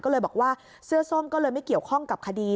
ก็เลยบอกว่าเสื้อส้มก็เลยไม่เกี่ยวข้องกับคดี